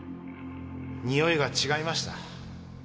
においが違いました。